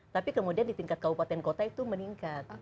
tapi kemudian di tingkat kabupaten kota itu meningkat